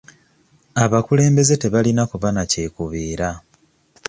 Abakulembeze tebalina kuba na kyekubiira.